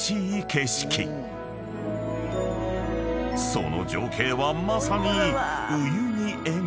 ［その情景はまさに］